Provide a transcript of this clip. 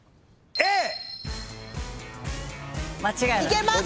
・いけます！